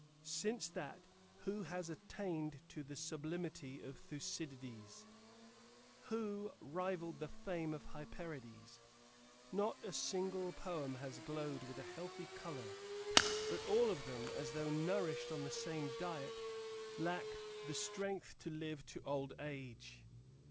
Since that, who has attained to the sublimity of Thucydides, who rivalled the fame of Hyperides? Not a single poem has glowed with a healthy color, but all of them, as though nourished on the same diet, lacked the strength to live to old age.